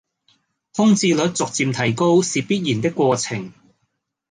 空置率逐漸提高是必然的過程